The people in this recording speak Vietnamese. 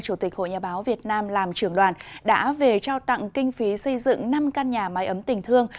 chủ tịch hội nhà báo việt nam làm trưởng đoàn đã về trao tặng kinh phí xây dựng năm căn nhà máy ấm tình thương